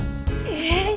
えっ？